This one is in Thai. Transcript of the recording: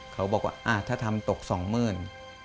เขาบอกว่าถ้าทำตก๒เมื่อน